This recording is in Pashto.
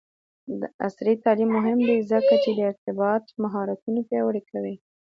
عصري تعلیم مهم دی ځکه چې د ارتباط مهارتونه پیاوړی کوي.